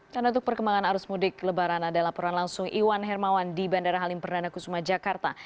tanda untuk perkembangan arus mudik lebaran ada laporan langsung iwan hermawan di bandara halim perdana kusuma jakarta